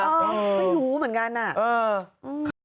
เออไม่รู้เหมือนกันน่ะอืมค่ะ